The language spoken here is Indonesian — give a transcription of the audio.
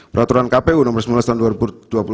peraturan kpu nomor sembilan belas tahun dua ribu dua puluh